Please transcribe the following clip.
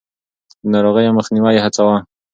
د ناروغيو مخنيوی يې هڅاوه.